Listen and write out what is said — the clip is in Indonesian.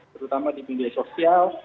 terutama di pilihan sosial